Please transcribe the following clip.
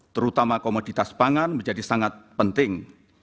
terutama komoditas pangan menjadi sangat penting